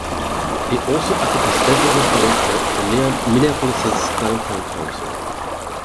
He also acted as Development Director for Minneapolis's Downtown Council.